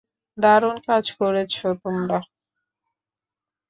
দারুন কাজ করেছো তোমরা।